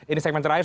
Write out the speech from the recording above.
ini segmen terakhir